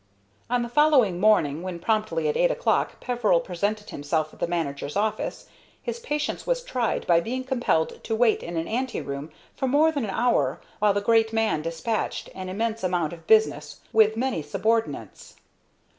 On the following morning, when, promptly at eight o'clock, Peveril presented himself at the manager's office, his patience was tried by being compelled to wait in an anteroom for more than an hour while the great man despatched an immense amount of business with many subordinates.